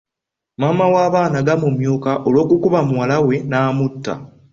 Maama w’abaana gaamumyuka olw’okukuba muwala we n’amutta.